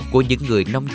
của những người nông dân